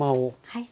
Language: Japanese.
はい。